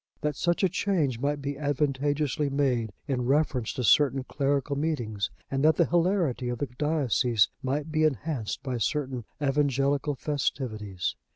That such a change might be advantageously made in reference to certain clerical meetings, and that the hilarity of the diocese might be enhanced by certain evangelical festivities.